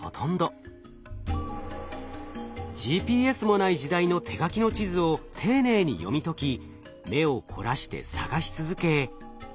ＧＰＳもない時代の手書きの地図を丁寧に読み解き目を凝らして探し続け。